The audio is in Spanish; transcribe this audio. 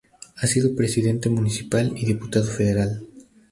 Ha sido Presidente Municipal y Diputado Federal.